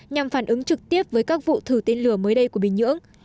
nhằm phản ứng trực tiếp với các vụ thử tên lửa mới đây của bình nhưỡng